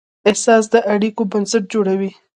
احساس د اړیکې بنسټ جوړوي.